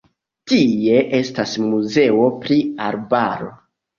Tie estas muzeo pri arbaro.